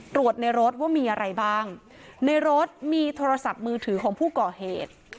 ตรวจในรถว่ามีอะไรบ้างในรถมีโทรศัพท์มือถือของผู้ก่อเหตุ